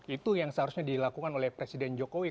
itu yang seharusnya dilakukan oleh presiden jokowi